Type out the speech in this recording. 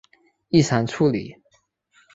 异常处理